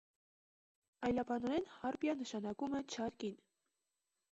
Այլաբանորեն հարպիա նշանակում է՝ չար կին։